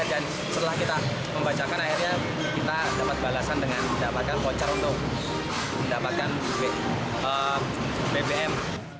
dan setelah kita membacakan akhirnya kita dapat balasan dengan mendapatkan voucher untuk mendapatkan bbm